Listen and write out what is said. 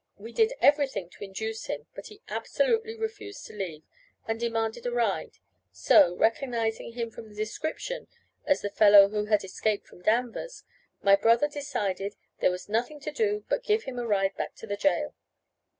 We did everything to induce him, but he absolutely refused to leave, and demanded a ride, so, recognizing him from the description as the fellow who had escaped from Danvers, my brother decided there was nothing to do but give him a ride back to the jail."